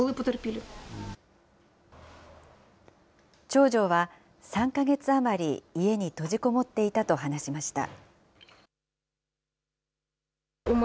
長女は３か月余り、家に閉じこもっていたと話しました。